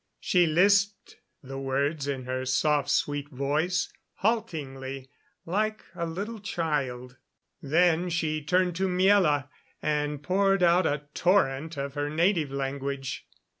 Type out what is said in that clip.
She lisped the words in her soft, sweet voice, haltingly, like a little child. Then she turned to Miela and poured out a torrent of her native language.